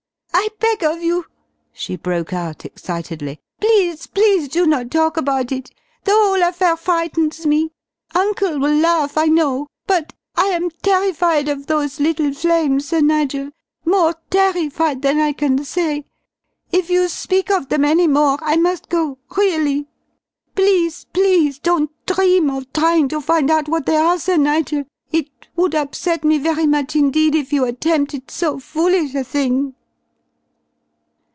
"I beg of you," she broke out excitedly, "please, please do not talk about it! The whole affair frightens me! Uncle will laugh I know, but I am terrified of those little flames, Sir Nigel, more terrified than I can say! If you speak of them any more, I must go really! Please, please don't dream of trying to find out what they are, Sir Nigel! It it would upset me very much indeed if you attempted so foolish a thing!"